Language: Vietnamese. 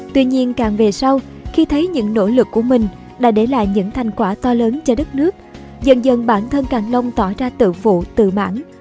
tuy nhiên càng về sau khi thấy những nỗ lực của mình đã để lại những thành quả to lớn cho đất nước dần dần bản thân càng long tỏ ra tự phụ tự mãn